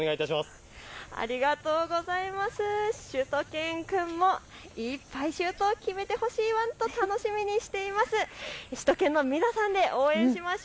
しゅと犬くんもいっぱいシュートを決めてほしいワンと楽しみにしています。